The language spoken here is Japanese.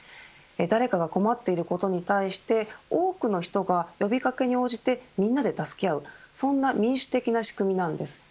誰かが困っていることに対して多くの人が、呼び掛けに応じてみんなで助け合うそんな民主的な仕組みなんです。